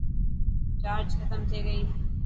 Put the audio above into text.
چارج ختم ٿي گئي.